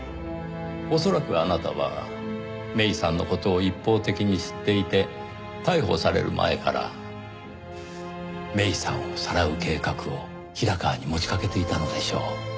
恐らくあなたは芽依さんの事を一方的に知っていて逮捕される前から芽依さんをさらう計画を平川に持ちかけていたのでしょう。